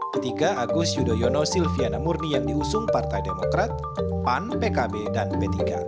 ketiga agus yudhoyono silviana murni yang diusung partai demokrat pan pkb dan p tiga